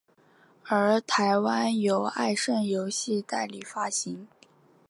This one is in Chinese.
而台湾由爱胜游戏代理发行。